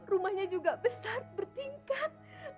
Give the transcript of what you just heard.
rumahnya juga besar bertingkat